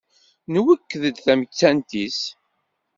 Nwekked-d tamettant-is.